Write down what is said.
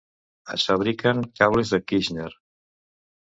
Es fabriquen cables de Kirschner.